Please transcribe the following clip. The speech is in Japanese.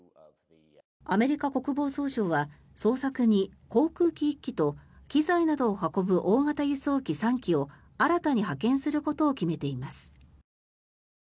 アメリカ国防総省は捜索に航空機１機と機材などを運ぶ大型輸送機３機を新たに派遣することを決めています。